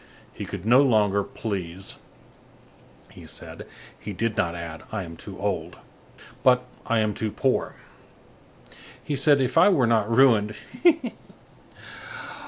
He could no longer please, he said; he did not add: "I am too old," but: "I am too poor." He said: "If I were not ruined—Héée!"